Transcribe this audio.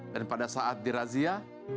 dan pada saat dirazia